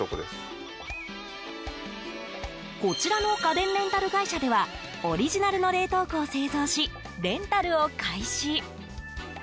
こちらの家電レンタル会社ではオリジナルの冷凍庫を製造しレンタルを開始。